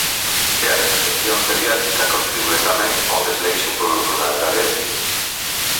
E a desatención pediátrica contribúe tamén ao desleixo polo rural galego.